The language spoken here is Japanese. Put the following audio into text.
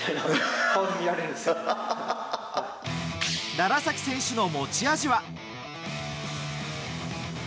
楢崎選手の持ち味は。